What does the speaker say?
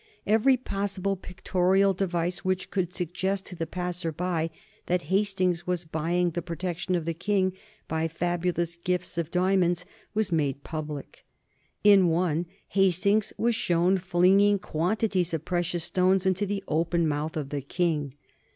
Every possible pictorial device which could suggest to the passer by that Hastings was buying the protection of the King by fabulous gifts of diamonds was made public. In one Hastings was shown flinging quantities of precious stones into the open mouth of the King.